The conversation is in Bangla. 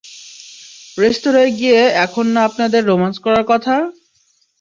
রেস্তোরায় গিয়ে এখন না আপনাদের রোমান্স করার কথা?